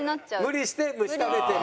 無理して虫食べてる。